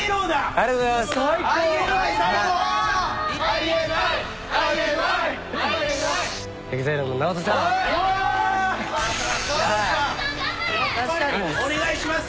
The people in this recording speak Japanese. ありがとうございます。